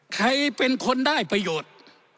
ใครเป็นคนได้ประโยชน์